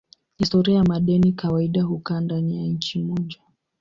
Historia ya madeni kawaida hukaa ndani ya nchi moja.